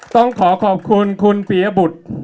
ต้องขอขอบคุณคุณปียบุตร